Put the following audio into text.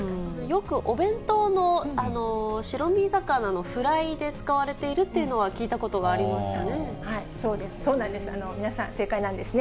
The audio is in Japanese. よくお弁当の白身魚のフライで使われているというのは聞いたそうです、そうなんです。